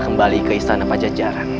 kembali ke istana pajajara